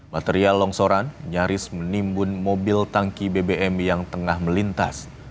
material longsoran nyaris menimbun mobil tangki bbm yang tengah melintas